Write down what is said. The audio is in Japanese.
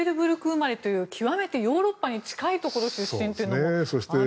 生まれという極めてヨーロッパに近いところ出身というのもあるんですかね。